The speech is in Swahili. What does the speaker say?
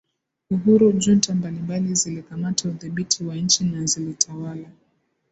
uhuru Junta mbalimbali zilikamata udhibiti wa nchi na zilitawala